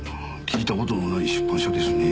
聞いた事のない出版社ですね。